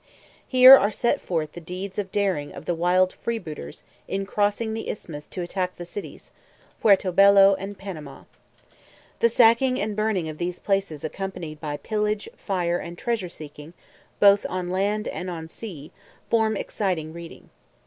Here are set forth the deeds of daring of the wild freebooters in crossing the isthmus to attack the cities, Puerto Bellow and Panama. The sacking and burning of these places accompanied by pillage, fire, and treasure seeking both on land and on sea form exciting reading.